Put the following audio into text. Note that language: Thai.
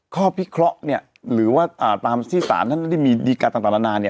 ข้อภิเคราะห์หรือว่าตามสิสารท่าน